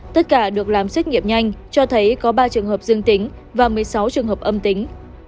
tất cả được làm xét nghiệm nhanh cho thấy có ba trường hợp dương tính và một mươi sáu trường hợp âm tính